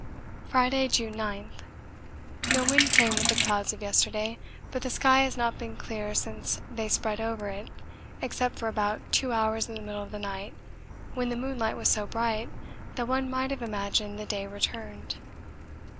Friday, June 9. No wind came with the clouds of yesterday, but the sky has not been clear since they spread over it except for about two hours in the middle of the night when the moonlight was so bright that one might have imagined the day returned.